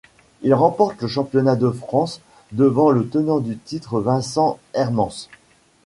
Il remporte le championnat de France devant le tenant du titre Vincent Hermance.